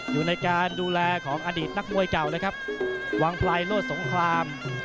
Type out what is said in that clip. อยู่ในการดูแลของอดีตนักมวยเก่าเลยครับวังไพรโลศสงคราม